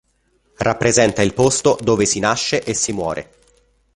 Rappresenta il posto dove si nasce e si muore.